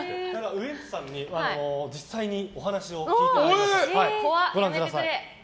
ウエンツさんに実際にお話を聞いてきました。